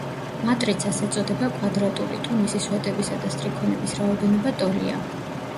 მატრიცას ეწოდება კვადრატული, თუ მისი სვეტებისა და სტრიქონების რაოდენობა ტოლია.